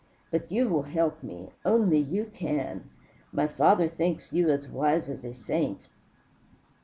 But you will help me. Only you can. My father thinks you as wise as a saint.